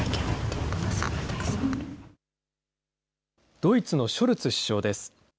ドイツのショルツ首相です。